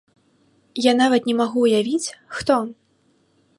Я нават не магу ўявіць, хто.